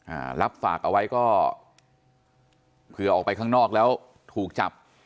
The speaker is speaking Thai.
อ่ารับฝากเอาไว้ก็เผื่อออกไปข้างนอกแล้วถูกจับ